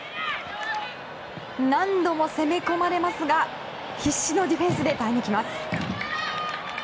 何度も攻め込まれますが必死のディフェンスで耐え抜きます。